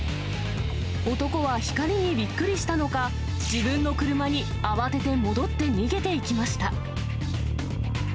男は光にびっくりしたのか、自分の車に、慌てて戻って逃げていきました。